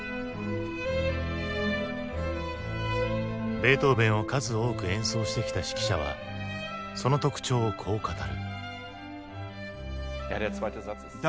ベートーヴェンを数多く演奏してきた指揮者はその特徴をこう語る。